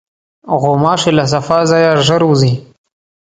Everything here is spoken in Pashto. غوماشې له صفا ځایه ژر وځي.